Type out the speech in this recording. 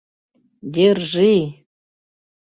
Держи!